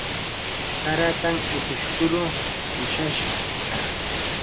haratam utush kuru ushashqa.